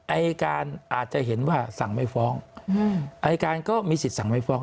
อายการอาจจะเห็นว่าสั่งไม่ฟ้องอายการก็มีสิทธิ์สั่งไม่ฟ้อง